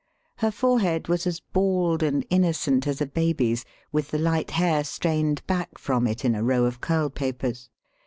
[Her forehead was as bald and innocent as a baby's, with the light hair strained back from it in a row of curl papers.